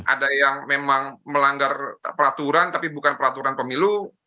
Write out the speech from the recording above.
ada yang memang melanggar peraturan tapi bukan peraturan pemilu